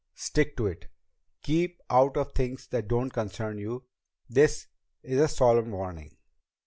Stick to it! Keep out of things that don't concern you! This is a solemn warning!